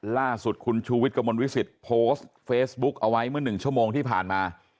ล่าสุดคุณชูวิทย์กระมวลวิสิตโพสต์เฟซบุ๊กเอาไว้เมื่อ๑ชั่วโมงที่ผ่านมา